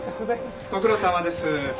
ご苦労さまです。